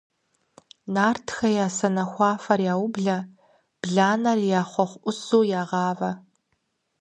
Нартхэ я сэнэхуафэр яублэ, бланэр я хъуэхъу Ӏусу ягъавэ.